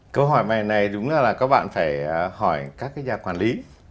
câu hỏi này đúng là các bạn phải hỏi các nhà quản lý